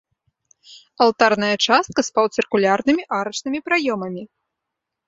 Алтарная частка з паўцыркульнымі арачнымі праёмамі.